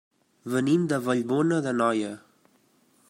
Venim de Vallbona d'Anoia.